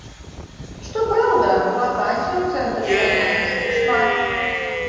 Што праўда, вакансій у цэнтры занятасці шмат.